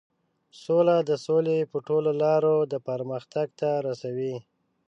سوله د سولې په ټولو لارو د پرمختګ ته رسوي.